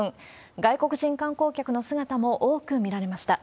外国人観光客の姿も多く見られました。